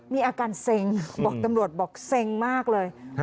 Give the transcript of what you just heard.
มีอาการเซ็งบอกตำรวจบอกเซ็งมากเลย